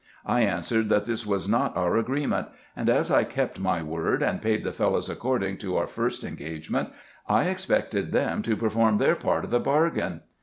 I answered, that this was not our agreement ; and, as I kept my word, and paid the Fellahs according to our first engagement, I expected them to perform their part of the bargain.